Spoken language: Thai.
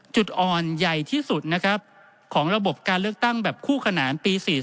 จุดอ่อนใหญ่ที่สุดนะครับของระบบการเลือกตั้งแบบคู่ขนานปี๔๔